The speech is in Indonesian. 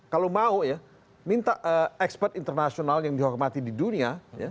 kalau mau ya minta expert internasional yang dihormati di dunia